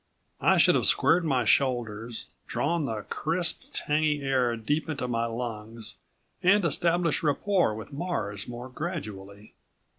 I should have squared my shoulders, drawn the crisp, tangy air deep into my hangs and established rapport with Mars more gradually.